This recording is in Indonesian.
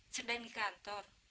cerdain di kantor